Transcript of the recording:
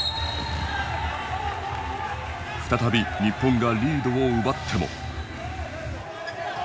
再び日本がリードを奪っても。